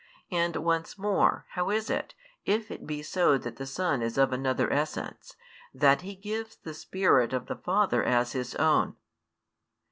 And once more, how is it, if it be so that the Son is of another essence, that He gives the Spirit of the Father as His own?"